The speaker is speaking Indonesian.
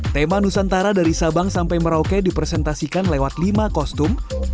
tema nusantara dari sabang sampai merauke dipresentasikan lewat lima kostum